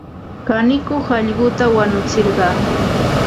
Kanikuq allquta wanutsirqan.